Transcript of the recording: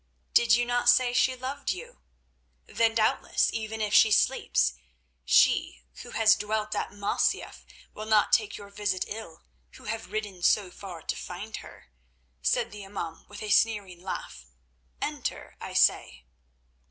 "Did you not say she loved you? Then doubtless, even if she sleeps, she, who has dwelt at Masyaf will not take your visit ill, who have ridden so far to find her," said the imaum with a sneering laugh. "Enter, I say."